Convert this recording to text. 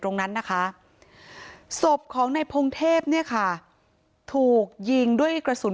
ตรงนั้นนะคะศพของในพงเทพเนี่ยค่ะถูกยิงด้วยกระสุน